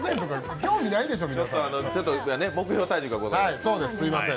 興味ないでしょ、皆さん。